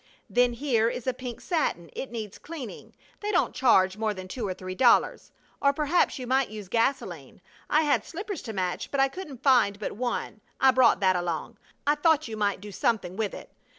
Then here is a pink satin. It needs cleaning. They don't charge more than two or three dollars or perhaps you might use gasolene. I had slippers to match, but I couldn't find but one. I brought that along. I thought you might do something with it.